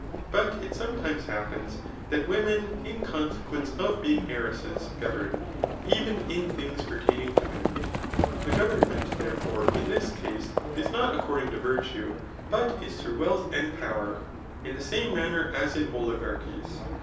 But it sometimes happens that women, in conse* quence of being heire$ses, govern [even in things per takiing to men]. The government, therefore, in this case, is mtt according to virtue, but b through wealth and power, in the same manner as in oligarchies.